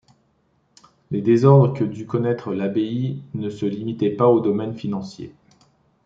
Les désordres que dut connaître l'abbaye ne se limitaient pas au domaine financier.